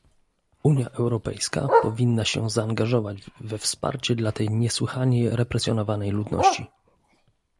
Unia Europejska powinna się zaangażować we wsparcie dla tej niesłychanie represjonowanej ludności